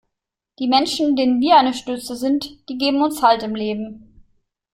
Die Menschen, denen wir eine Stütze sind, die geben uns Halt im Leben.